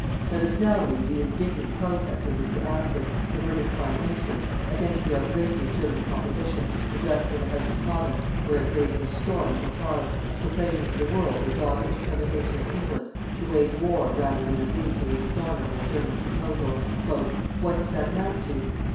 Let us now read the indignant protest of Mr. Asquith, the British Prime Minister, against the outrageous German proposition, addressed to the House of Commons, where it raised a storm of applause, proclaiming to the World the dogged determination of England to wage war rather than agree to the dishonourable German proposal: What does that amount to?